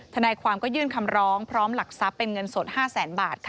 ทนายความก็ยื่นคำร้องพร้อมหลักทรัพย์เป็นเงินสด๕แสนบาท